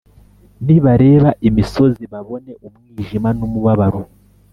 nibareba imisozi babone umwijima n’umubabaro,